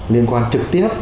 liên quan trực tiếp